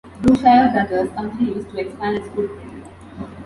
Brookshire Brothers continues to expand its footprint.